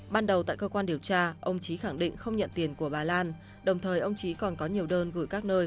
ban đầu tại cơ quan điều tra ông trí khẳng định không nhận tiền của bà lan đồng thời ông trí còn có nhiều đơn gửi các nơi